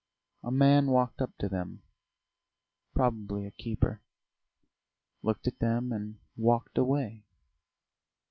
A man walked up to them probably a keeper looked at them and walked away.